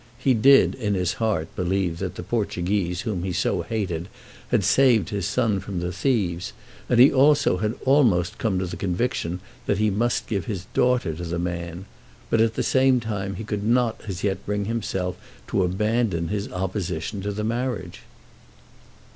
He did in his heart believe that the Portuguese whom he so hated had saved his son from the thieves, and he also had almost come to the conviction that he must give his daughter to the man, but at the same time he could not as yet bring himself to abandon his opposition to the marriage.